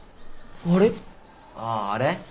あああれ？